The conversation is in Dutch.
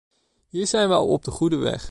Hier zijn we al op de goede weg.